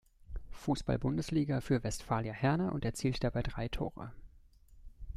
Fußball-Bundesliga für Westfalia Herne und erzielte dabei drei Tore.